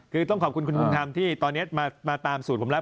คือต้องขอบคุณคุณบุญธรรมที่ตอนนี้มาตามสูตรผมแล้ว